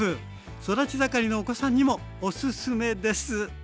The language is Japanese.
育ち盛りのお子さんにもおすすめです。